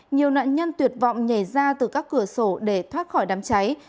nhiều nạn nhân tuyệt vọng nhảy ra từ các cửa sổ để thoát khỏi đám cháy